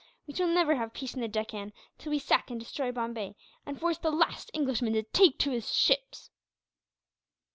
We shall never have peace in the Deccan till we sack and destroy Bombay, and force the last Englishman to take to his ships."